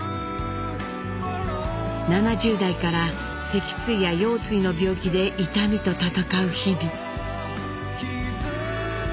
７０代から脊椎や腰椎の病気で痛みと闘う日々。